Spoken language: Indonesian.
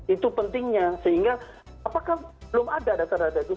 itu pentingnya sehingga apakah belum ada data data itu